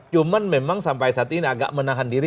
cuman memang sampai saat ini agak menahan diri